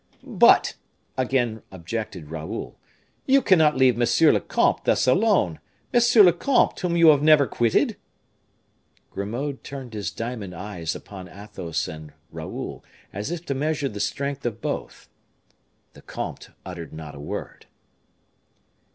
"But," again objected Raoul, "you cannot leave monsieur le comte thus alone; monsieur le comte, whom you have never quitted?" Grimaud turned his diamond eyes upon Athos and Raoul, as if to measure the strength of both. The comte uttered not a word.